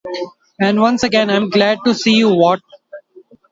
And, once again, I am glad to see you, Watt!